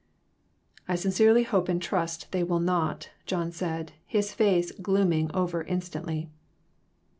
"I sincerely hope and trust they will not," John said, his face glooming over instantly.